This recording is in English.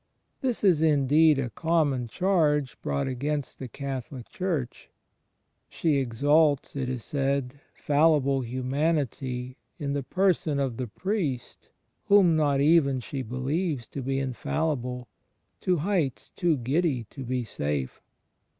This is indeed a common charge brought against the Catholic Church. She exalts, it is said, fallible hiunanity, in the person of the priest whom not even she believes to be infallible, to heights too giddy to be safe.